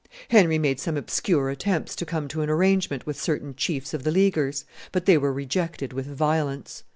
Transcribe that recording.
Henry made some obscure attempts to come to an arrangement with certain chiefs of the Leaguers; but they were rejected with violence.